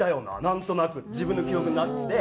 なんとなく自分の記憶にあって。